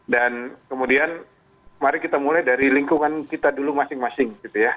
dan kemudian mari kita mulai dari lingkungan kita dulu masing masing